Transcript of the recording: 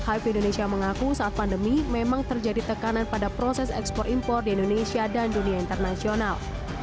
hiv indonesia mengaku saat pandemi memang terjadi tekanan pada proses ekspor impor di indonesia dan dunia internasional